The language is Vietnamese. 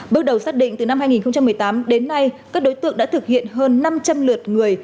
bước đầu xác định từ năm hai nghìn một mươi tám đến nay các đối tượng đã thực hiện hơn năm trăm linh lượt người